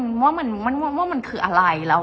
เพราะในตอนนั้นดิวต้องอธิบายให้ทุกคนเข้าใจหัวอกดิวด้วยนะว่า